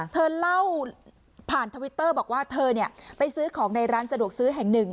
เธอเล่าผ่านทวิตเตอร์บอกว่าเธอไปซื้อของในร้านสะดวกซื้อแห่งหนึ่ง